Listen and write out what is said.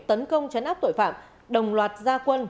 tấn công chấn áp tội phạm đồng loạt gia quân